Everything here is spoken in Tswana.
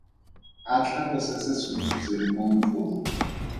A tlhalose se se utswitsweng mo ntlong.